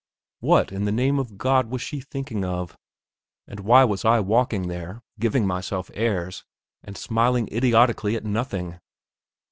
What, in the name of God, was she thinking of? And why was I walking there, giving myself airs, and smiling idiotically at nothing?